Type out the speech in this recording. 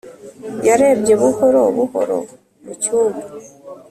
yarebye buhoro buhoro mu cyumba,